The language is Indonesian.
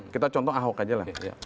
kita contoh ahok aja lah